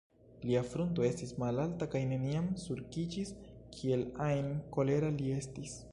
Lia frunto estis malalta kaj neniam sulkiĝis, kiel ajn kolera li estis.